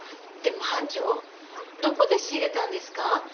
でも班長どこで仕入れたんですか？